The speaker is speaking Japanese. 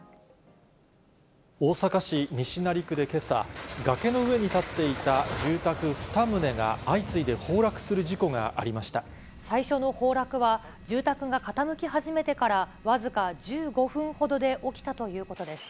大阪市西成区でけさ、崖の上に建っていた住宅２棟が、相次いで崩落する事故がありまし最初の崩落は、住宅が傾き始めてから、僅か１５分ほどで起きたということです。